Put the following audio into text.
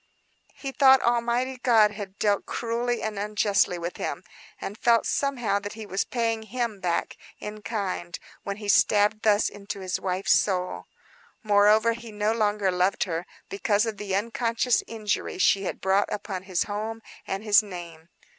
He thought Almighty God had dealt cruelly and unjustly with him; and felt, somehow, that he was paying Him back in kind when he stabbed thus into his wife's soul. Moreover he no longer loved her, because of the unconscious injury she had brought upon his home and his name.